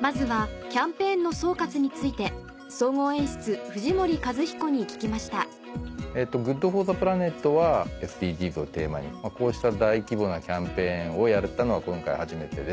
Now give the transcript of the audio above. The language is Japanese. まずはキャンペーンの総括についてに聞きましたＧｏｏｄＦｏｒｔｈｅＰｌａｎｅｔはＳＤＧｓをテーマにこうした大規模なキャンペーンをやれたのは今回初めてで。